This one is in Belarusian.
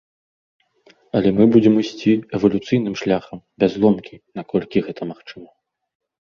Але мы будзем ісці эвалюцыйным шляхам, без ломкі, наколькі гэта магчыма.